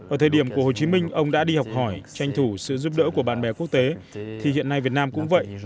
ở thời điểm của hồ chí minh ông đã đi học hỏi tranh thủ sự giúp đỡ của bạn bè quốc tế thì hiện nay việt nam cũng vậy